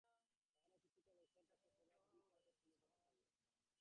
তাহারা কিছুকাল ঐস্থানে থাকিয়া পুনরায় পৃথিবীতে আসিয়া পশুজন্ম গ্রহণ করে।